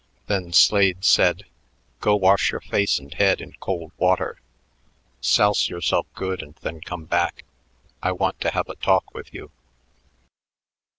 Then Slade said: "Go wash your face and head in cold water. Souse yourself good and then come back; I want to have a talk with you."